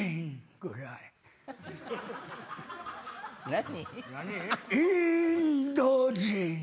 何？